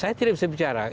saya tidak bisa bicara